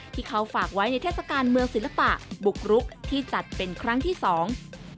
ที่เขาฝากไว้ในเทศกาลเมืองศิลปะบุกรุกที่จัดเป็นครั้งที่สอง